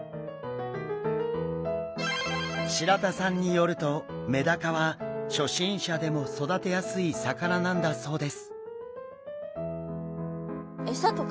白田さんによるとメダカは初心者でも育てやすい魚なんだそうです。